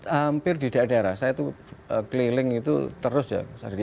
hampir di daerah daerah saya itu keliling itu terus ya